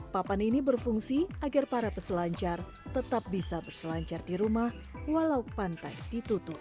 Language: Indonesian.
papan ini berfungsi agar para peselancar tetap bisa berselancar di rumah walau pantai ditutup